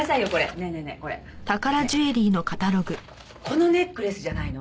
ねえこのネックレスじゃないの？